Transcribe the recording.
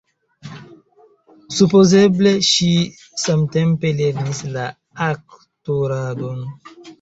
Supozeble ŝi samtempe lernis la aktoradon.